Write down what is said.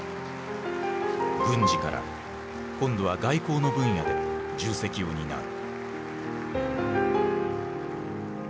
軍事から今度は外交の分野で重責を担う。